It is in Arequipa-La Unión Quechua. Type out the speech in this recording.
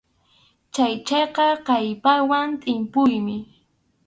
Chhallchayqa kallpawan tʼimpuymi.